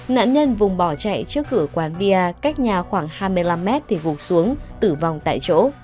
nạn nhân vùng bò chạy trước cửa quán bia cách nhà khoảng hai mươi năm m thì vụt xuống tử vong tại chỗ